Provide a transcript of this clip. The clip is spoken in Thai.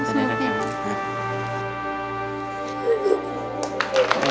สุดท้าย